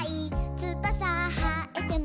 「つばさはえても」